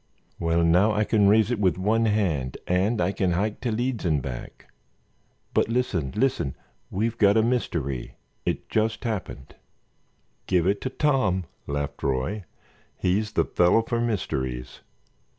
"Well, now I can raise it with one hand and I can hike to Leeds and back. But listen—listen; we've got a mystery—it just happened——" "Give it to Tom," laughed Roy. "He's the fellow for mysteries."